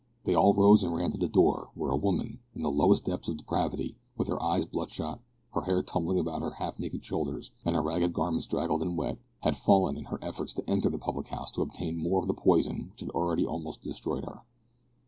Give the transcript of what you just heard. They all rose and ran to the door, where a woman, in the lowest depths of depravity, with her eyes bloodshot, her hair tumbling about her half naked shoulders, and her ragged garments draggled and wet, had fallen in her efforts to enter the public house to obtain more of the poison which had already almost destroyed her.